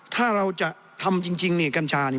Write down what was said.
ถ้าเราจะทำจริงนี่กัญชานี่